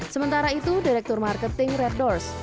sementara itu direktur marketing red doors